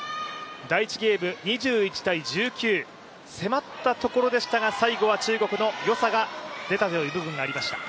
第１ゲーム、２１−１９迫ったところでしたが最後は中国のよさが出たという部分がありました。